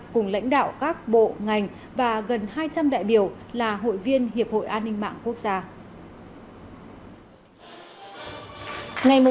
cùng lãnh đạo các bộ ngành và gần hai trăm linh đại biểu là hội viên hiệp hội an ninh mạng quốc gia